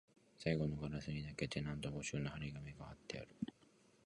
最後のガラスにだけ、テナント募集の張り紙が張ってある